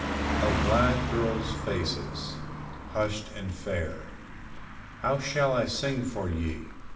O glad girls' faces, hushed and fair! how shall I sing for ye?